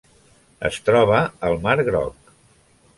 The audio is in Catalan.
Es troba al Mar Groc.